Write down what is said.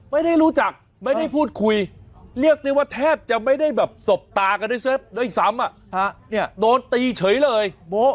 ไม่ได้รู้จักไม่ได้พูดคุยเรียกได้ว่าแทบจะไม่ได้แบบสบตากันด้วยซ้ำโดนตีเฉยเลยโม